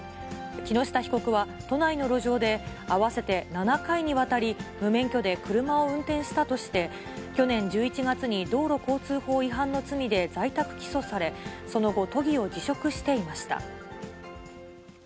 木下被告は都内の路上で合わせて７回にわたり、無免許で車を運転したとして、去年１１月に道路交通法違反の罪で在宅起訴され、その後、都議を辞職していました。